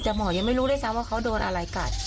แต่หมอยังไม่รู้ด้วยซ้ำว่าเขาโดนอะไรกัด